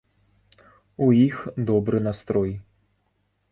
У іх добры настрой.